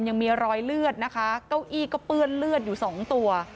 ยังมีรอยเลือดนะคะเก้าอี้ก็เปื้อนเลือดอยู่สองตัว